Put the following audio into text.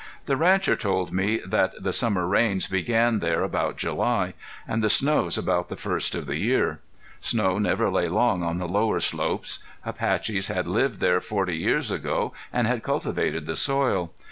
The rancher told me that the summer rains began there about July, and the snows about the first of the year. Snow never lay long on the lower slopes. Apaches had lived there forty years ago and had cultivated the soil.